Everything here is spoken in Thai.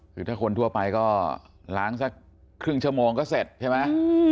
คือถ้าคนทั่วไปก็ล้างสักครึ่งชั่วโมงก็เสร็จใช่ไหม